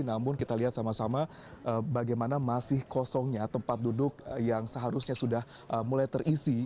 namun kita lihat sama sama bagaimana masih kosongnya tempat duduk yang seharusnya sudah mulai terisi